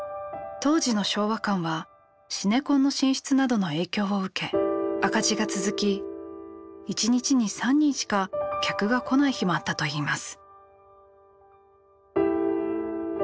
当時の昭和館はシネコンの進出などの影響を受け赤字が続き１日に３人しか客が来ない日もあったといいます。